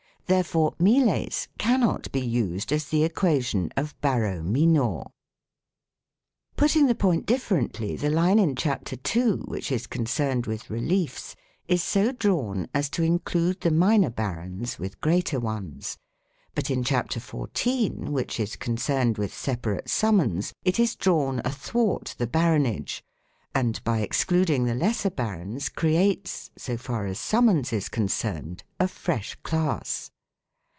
There fore "miles " cannot be used as the equation of "baro minor ". Putting the point differently, the line in chapter 2 (which is concerned with reliefs) is so drawn as to include the minor barons with greater ones ; but in chapter 14 (which is concerned with separate summons) it is drawn athwart the baronage, and, by excluding the lesser barons, creates (so far as summons is concerned) a fresh class.